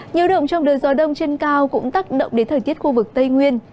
nhiều động trong đời gió đông trên cao cũng tác động đến thời tiết khu vực tây nguyên